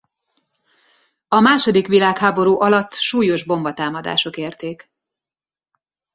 A második világháború alatt súlyos bombatámadások érték.